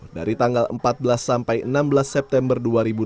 dari tanggal empat belas sampai enam belas september dua ribu dua puluh